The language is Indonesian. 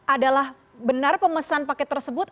adalah benar pemesan paket tersebut